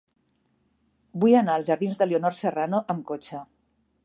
Vull anar als jardins de Leonor Serrano amb cotxe.